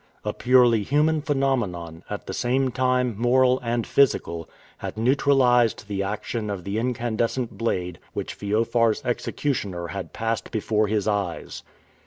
A purely human phenomenon, at the same time moral and physical, had neutralized the action of the incandescent blade which Feofar's executioner had passed before his eyes.